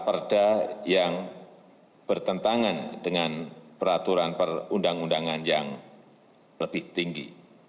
perda yang bertentangan dengan peraturan perundang undangan yang lebih tinggi